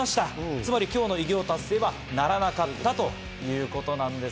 つまり今日の偉業達成はならなかったということなんです。